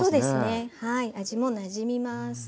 はい味もなじみます。